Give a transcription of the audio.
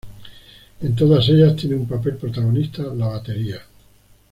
En todas ellas tiene un papel protagonista la batería.